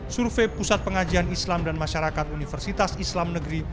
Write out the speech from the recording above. survei pusat pengajian islam dan masyarakat universitas islam negeri